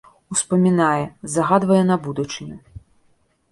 Успамінае, загадвае на будучыню.